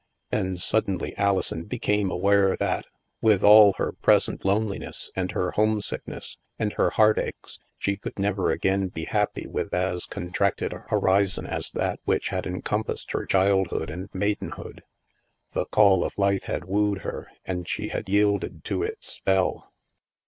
And suddenly Alison became aware that, with all her pres ent loneliness, and her homesickness, and her heart aches, she could never again be happy with as con tracted a horizon as that which had encompassed her childhood and maidenhood. The call of life had wooed her, and she had yielded to its spell.